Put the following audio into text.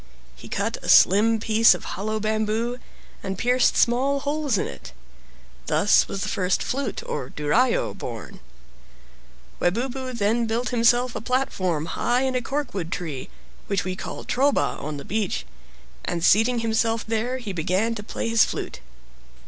He cut a slim piece of hollow bamboo, and pierced small holes in it. Thus was the first flute (duraio) born. Webubu then built himself a platform high in a corkwood tree, which we call "troba" on the beach, and seating himself there he began to play his flute.